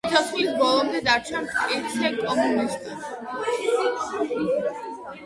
სიცოცხლის ბოლომდე დარჩა მტკიცე კომუნისტად.